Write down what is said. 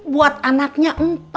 buat anaknya empat